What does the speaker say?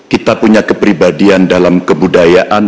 kita punya kepribadian dalam kebudayaan